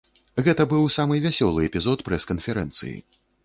Гэта быў самы вясёлы эпізод прэс-канферэнцыі.